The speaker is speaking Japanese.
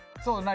そう。